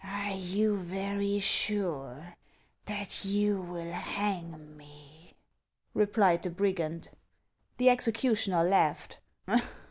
" Are you very sure that you will hang me ?" replied the brigand. The executioner laughed.